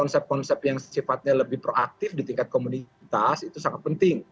konsep konsep yang sifatnya lebih proaktif di tingkat komunitas itu sangat penting